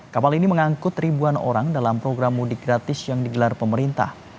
kapal ini mengangkut ribuan orang dalam program mudik gratis yang digelar pemerintah